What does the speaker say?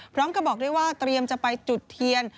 พร้อมกับบอกด้วยว่าเตรียมจะไปจุดเทียน